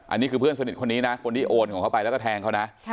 อันนี้คือเพื่อนสนิทคนนี้นะคนที่โอนของเขาไปแล้วก็แทงเขานะ